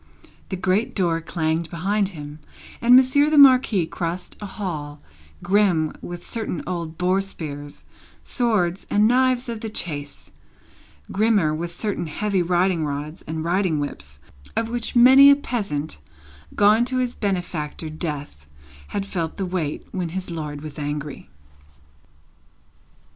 The great door clanged behind him, and Monsieur the Marquis crossed a hall grim with certain old boar spears, swords, and knives of the chase; grimmer with certain heavy riding rods and riding whips, of which many a peasant, gone to his benefactor Death, had felt the weight when his lord was angry.